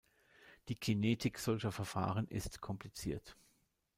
Die Kinetik solcher Verfahren ist kompliziert.